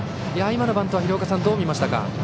今のバントはどう見ましたか？